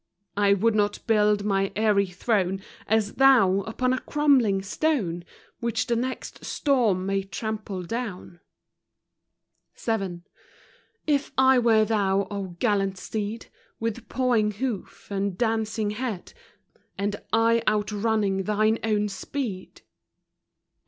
I would not build my eyrie throne, As thou, upon a crumbling stone, Which the next storm may trample down. WISDOM UNAPPLIED. 51 VII. If I were thou, O gallant steed, With pawing hoof, and dancing head, And eye outrunning thine own speed; VIII.